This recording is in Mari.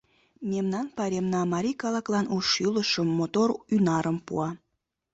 Мемнан пайремна марий калыклан у шӱлышым, мотор ӱнарым пуа.